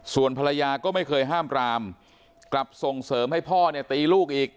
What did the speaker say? ส่วนภรรยาก็ไม่เคยห้ามปรามกลับส่งเสริมให้พ่อเนี่ยตีลูกอีก